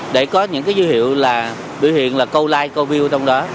để có những cái dữ hiệu là biểu hiện là câu like câu view trong đó